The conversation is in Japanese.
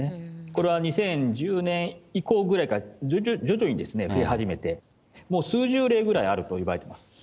これは２０１０年以降ぐらいから徐々に増え始めて、もう数十例ぐらいあるといわれています。